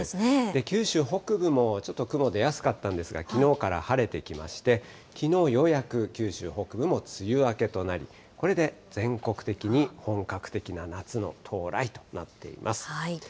九州北部もちょっと雲、出やすかったんですが、きのうから晴れてきまして、きのうようやく九州北部も梅雨明けとなり、これで全国的に、本格的な夏の到来となっています。